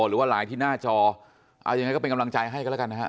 หรือว่าไลน์ที่หน้าจอเอายังไงก็เป็นกำลังใจให้กันแล้วกันนะฮะ